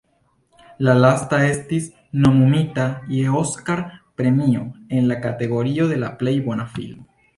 La lasta estis nomumita je Oskar-premio en kategorio de la plej bona filmo.